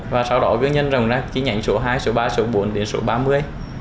và sau đó cứ nhân rồng ra trí nhánh số hai số ba số bốn đến số ba mươi